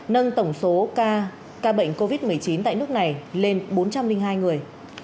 nâng tổng số ca bệnh covid một mươi chín tại nước này lên bốn trăm linh hai người